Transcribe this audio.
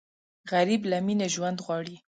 غریب له مینې ژوند غواړي